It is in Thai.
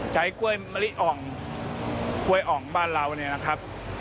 กล้วยมะลิอ่องกล้วยอ่องบ้านเราเนี่ยนะครับ